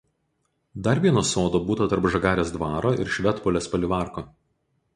Dar vieno sodo būta tarp Žagarės dvaro ir Švetpolės palivarko.